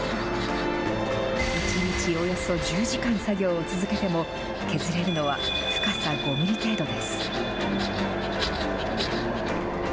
１日およそ１０時間作業を続けても削れるのは深さ５ミリ程度です。